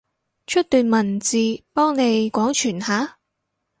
出段文字，幫你廣傳下？